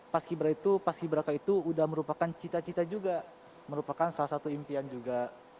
pas kibra k itu sudah merupakan cita cita juga merupakan salah satu impian juga